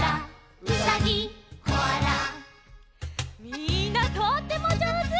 みんなとってもじょうず！